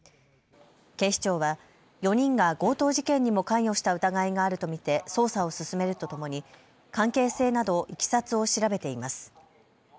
警視庁は４人が強盗事件にも関与した疑いがあると見て捜査を進めるとともに関係性などいきさつを調べています。